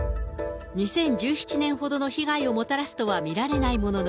２０１７年ほどの被害をもたらすとは見られないものの、